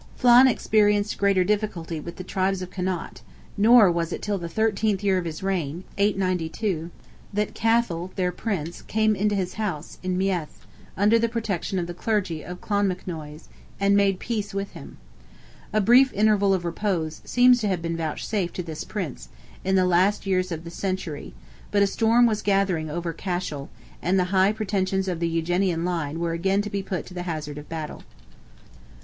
Flan experienced greater difficulty with the tribes of Connaught, nor was it till the thirteenth year of his reign (892) that Cathal, their Prince, "came into his house," in Meath, "under the protection of the clergy" of Clonmacnoise, and made peace with him. A brief interval of repose seems to have been vouchsafed to this Prince, in the last years of the century; but a storm was gathering over Cashel, and the high pretensions of the Eugenian line were again to be put to the hazard of battle.